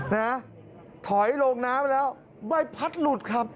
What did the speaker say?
นะถอยลงน้ำแล้วใบพัดหลุดครับ